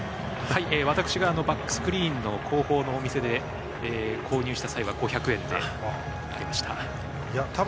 私がバックスクリーン後方のお店で購入した際は５００円でした。